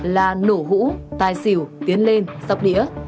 là nổ hũ tai xỉu tiến lên dọc đĩa